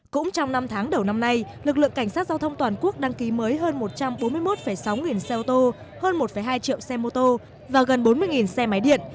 cũng trong năm tháng đầu năm nay lực lượng cảnh sát giao thông toàn quốc đăng ký mới hơn một trăm bốn mươi một sáu nghìn xe ô tô hơn một hai triệu xe mô tô và gần bốn mươi xe máy điện